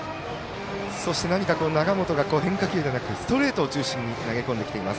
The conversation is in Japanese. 永本が変化球ではなくストレートを中心に投げ込んできています。